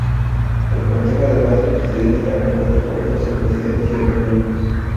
El Consejo, además del Presidente, está compuesto por dos Vicepresidentes y otros miembros.